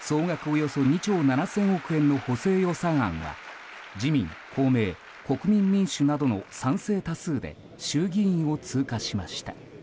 およそ２兆７０００億円の補正予算案は自民・公明・国民民主などの賛成多数で衆議院を通過しました。